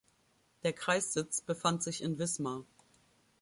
Der Kreissitz befand sich in Wismar.